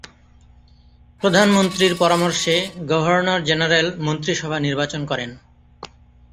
প্রধানমন্ত্রীর পরামর্শে governor general মন্ত্রিসভা নির্বাচন করেন।